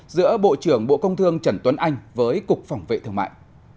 giữa bộ trưởng bộ công thương trần tuấn anh với cục phòng vệ thương mại